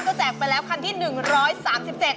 ก็แจกไปแล้วคันที่๑๓๗บาท